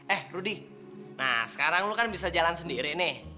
eh rudy nah sekarang lu kan bisa jalan sendiri nih